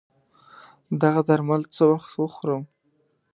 دغه درمل څه وخت وخورم